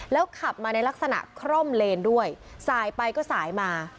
ขับมาในลักษณะคร่อมเลนด้วยสายไปก็สายมา